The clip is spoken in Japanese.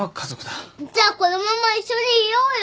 じゃこのまま一緒にいようよ。